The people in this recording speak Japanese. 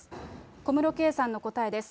小室圭さんの答えです。